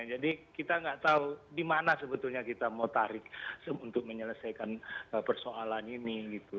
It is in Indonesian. jadi kita nggak tahu di mana sebetulnya kita mau tarik untuk menyelesaikan persoalan ini